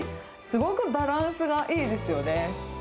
すごくバランスがいいですよね。